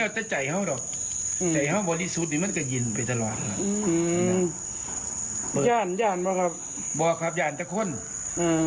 ไปตลอดครับอืมย่านย่านปะครับบอกครับย่านตะข้นอืม